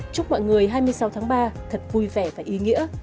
chúc mọi người hai mươi sáu tháng ba thật vui vẻ và ý nghĩa